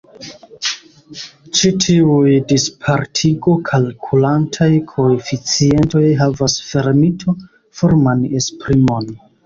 Ĉi tiuj dispartigo-kalkulantaj koeficientoj havas fermito-forman esprimon.